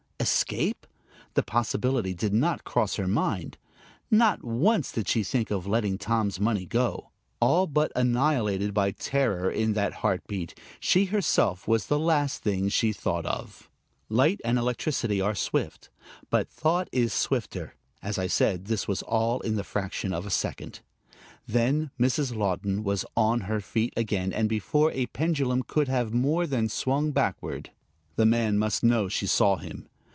Escape? The possibility did not cross her mind. Not once did she think of letting Tom's money go. All but annihilated by terror in that heartbeat, she herself was the last thing she thought of. Light and electricity are swift, but thought is swifter. As I said, this was all in the fraction of a second. Then Mrs. Laughton was on her feet again and before a pendulum could have more than swung backward. The man must know she saw him.